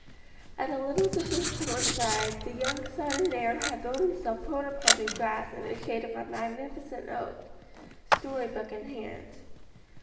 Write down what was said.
At a little distance to one side, the young son and heir had thrown himself prone upon the grass in the shade of a magnificent oak, story book in hand.